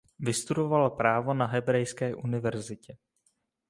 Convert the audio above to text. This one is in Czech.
Vystudoval právo na Hebrejské univerzitě.